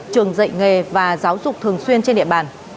trường dạy nghề và giáo dục thường xuyên trên địa bàn